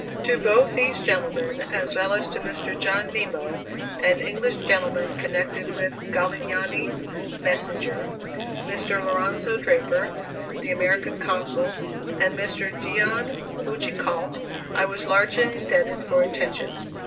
To both these gentlemen, as well as to Mr. John Nimmo, an English gentleman connected with Galignani's Messenger, Mr. Lorenzo Draper, the American Consul, and Mr. Dion Boucicault, I was largely indebted for attention.